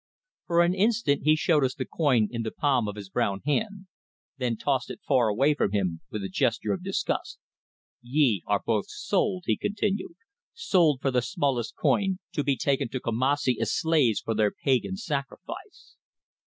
For an instant he showed us the coin in the palm of his brown hand, then tossed it far away from him with a gesture of disgust. "Ye are both sold," he continued, "sold for the smallest coin, to be taken to Kumassi as slaves for their pagan sacrifice."